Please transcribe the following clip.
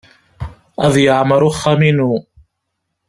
Ad yeɛmer uxxam-inu.